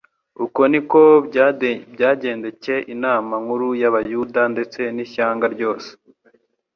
Uko niko byagendekcye inama nkuru y'abayuda, ndetse n'ishyanga ryose.